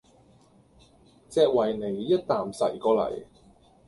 隻維尼一啖噬過嚟